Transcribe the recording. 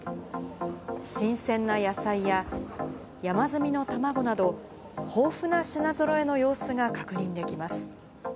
新鮮な野菜や山積みの卵など、豊富な品ぞろえの様子が確認できます。